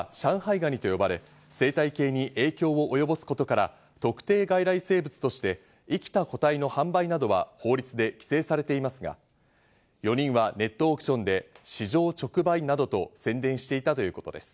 ガニと呼ばれ、生態系に影響を及ぼすことから特定外来生物として生きた個体の販売などは法律で規制されていますが、４人はネットオークションで市場直売などと宣伝していたということです。